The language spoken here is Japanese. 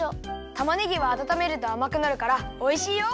たまねぎはあたためるとあまくなるからおいしいよ！